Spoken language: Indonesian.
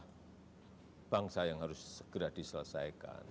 karena bangsa yang harus segera diselesaikan